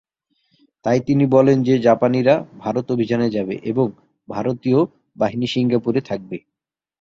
তাই তিনি বলেন যে, জাপানিরাই ভারত অভিযানে যাবে এবং ভারতীয় বাহিনী সিঙ্গাপুরে থাকবে।